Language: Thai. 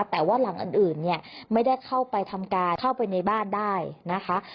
แต่ว่าหลังอื่นเนี่ยไม่ได้เข้าไปทำการเข้าไปในบ้านได้นะคะ